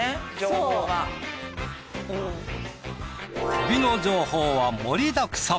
旅の情報は盛りだくさん。